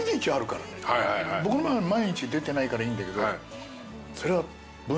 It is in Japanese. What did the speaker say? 僕毎日出てないからいいんだけど。